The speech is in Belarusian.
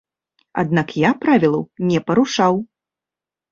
Аднак я правілаў не парушаў.